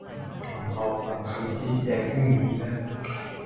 รอฟังคำชี้แจงพรุ่งนี้นะ